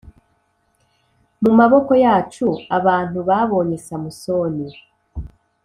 mu maboko yacu Abantu babonye Samusoni